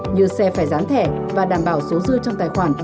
như xe phải dán thẻ và đảm bảo số dư trong tài khoản